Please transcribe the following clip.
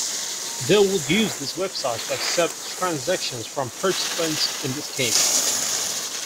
They will use this website to accept transactions from participants in the scheme.